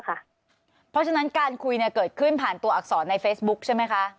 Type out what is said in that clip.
เพราะฉะนั้นการคุยเกิดขึ้นผ่านตัวอักษรในเฟซบุ๊คใช่ไหมคะ